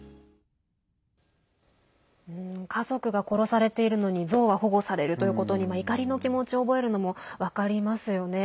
家族が殺されているのにゾウは保護されるということに怒りの気持ちを覚えるのも分かりますよね。